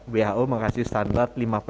who mengasih standar